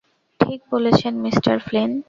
ঠিক বলেছেন, Mister Flynn.